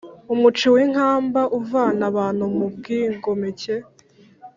umuci w’inkamba: uvana abantu mo ubwigomeke